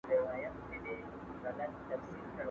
¬ په يوه چپلاخه د سلو مخ خوږېږي.